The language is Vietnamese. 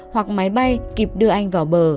hoặc máy bay kịp đưa anh vào bờ